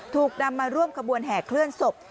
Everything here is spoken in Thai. ถูกนำมาร่วมขบวนแห่เคลื่อนศพ